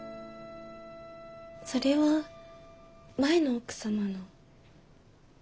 それは前の奥様の。